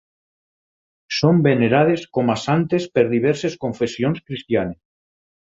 Són venerades com a santes per diverses confessions cristianes.